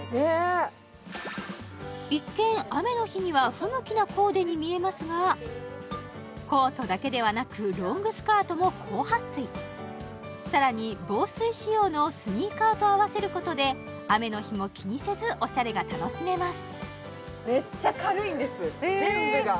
一見雨の日には不向きなコーデに見えますがコートだけではなくロングスカートも高撥水さらに防水仕様のスニーカーと合わせることで雨の日も気にせずおしゃれが楽しめます